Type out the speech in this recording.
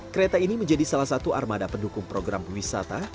kereta ini menjadi salah satu armada pendukung program wisata